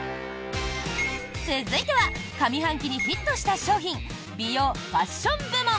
続いては上半期にヒットした商品美容・ファッション部門！